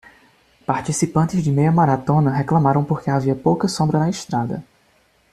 Participantes de meia maratona reclamaram porque havia pouca sombra na estrada.